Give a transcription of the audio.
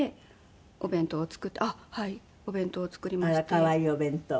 あら可愛いお弁当。